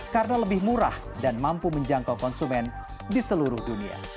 karena lebih murah dan mampu menjangkau konsumen di seluruh dunia